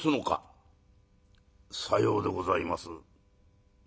「さようでございます」。